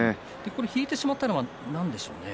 引いてしまったのは何でしょうね。